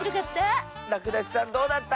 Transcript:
らくだしさんどうだった？